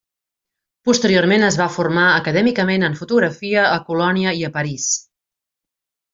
Posteriorment, es va formar acadèmicament en fotografia a Colònia i a París.